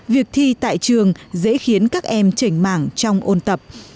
việc thi tại trường dễ khiến các em trành mảng trong ôn tập